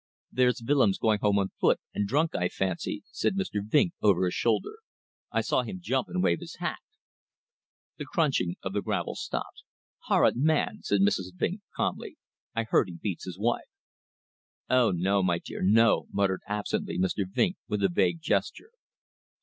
"There's Willems going home on foot and drunk I fancy," said Mr. Vinck over his shoulder. "I saw him jump and wave his hat." The crunching of the gravel stopped. "Horrid man," said Mrs. Vinck, calmly. "I have heard he beats his wife." "Oh no, my dear, no," muttered absently Mr. Vinck, with a vague gesture.